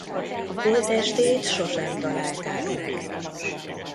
Holttestét sosem találták meg.